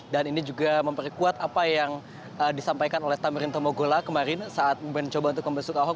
dan ini juga memperkuat apa yang disampaikan oleh tamirin tomogola kemarin saat mencoba untuk membesuk ahok